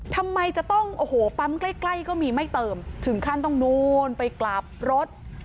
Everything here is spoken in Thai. ทำไมจะต้องโอ้โหปั๊มใกล้ใกล้ก็มีไม่เติมถึงขั้นต้องนู้นไปกลับรถ